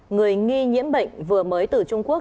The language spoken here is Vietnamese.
người nghi nhiễm bệnh vừa mới từ trung quốc